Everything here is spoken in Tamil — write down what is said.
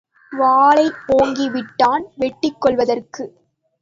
வாளை ஓங்கி விட்டான், வெட்டிக்கொல்வதற்கு!